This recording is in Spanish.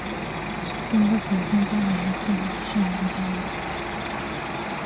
Su tumba se encuentra al este de Shenyang.